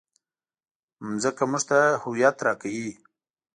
مځکه موږ ته هویت راکوي.